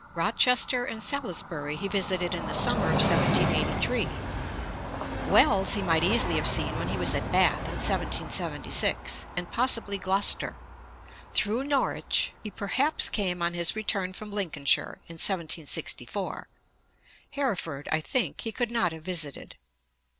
Rochester and Salisbury he visited in the summer of 1783 (post, iv. 233). Wells he might easily have seen when he was at Bath in 1776 (ante, iii. 44), and possibly Gloucester. Through Norwich he perhaps came on his return from Lincolnshire in 1764 (ante, i. 476). Hereford, I think, he could not have visited.